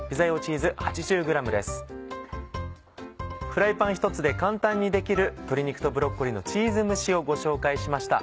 フライパンひとつで簡単にできる「鶏肉とブロッコリーのチーズ蒸し」をご紹介しました。